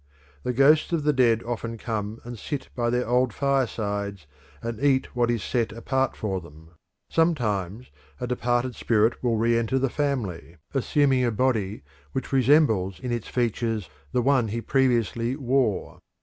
The ghosts of the dead often come and sit by their old firesides and eat what is set apart for them. Sometimes a departed spirit will re enter the family, assuming a body which resembles in its features the one he previously wore.